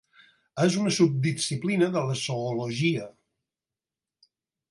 És una subdisciplina de la zoologia.